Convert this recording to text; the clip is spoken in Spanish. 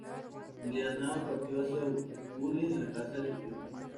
De Annaba partió hacia a Túnez en la casa de su tío.